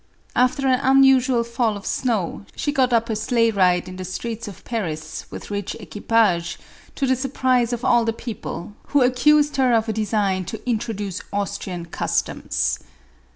After an unusual fall of snow, she got up a sleigh ride in the streets of Paris, with rich equipages, to the surprise of all the people, who accused her of a design to introduce Austrian cus toms.